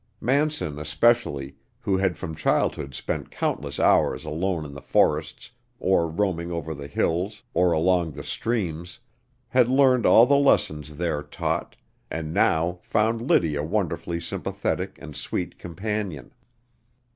Manson especially, who had from childhood spent countless hours alone in the forests or roaming over the hills or along the streams, had learned all the lessons there taught, and now found Liddy a wonderfully sympathetic and sweet companion.